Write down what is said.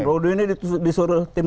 rode ini disuruh tim